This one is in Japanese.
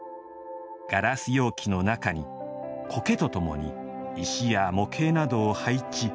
ガラス容器の中に、苔とともに石や模型などを配置。